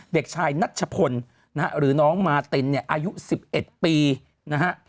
เด็กชายนัชพลนะฮะหรือน้องมาตินเนี่ยอายุ๑๑ปีนะฮะ